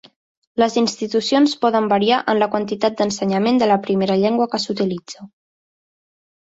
Les institucions poden variar en la quantitat d'ensenyament de la primera llengua que s'utilitza.